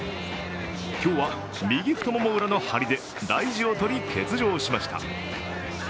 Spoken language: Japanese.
今日は右太もも裏の張りで大事をとり欠場しました。